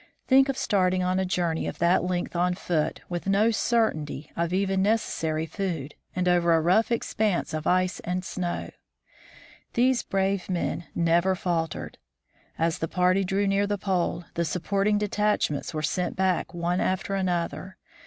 Think of starting on a journey of that length on foot with no certainty of even necessary food, and over a rough expanse of ice and snow. These brave men never faltered. As the party drew near the Pole, the supporting detach ments were sent back one after another.